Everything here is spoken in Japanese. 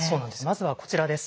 まずはこちらです。